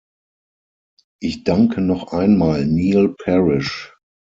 Ich danke noch einmal Neil Parish.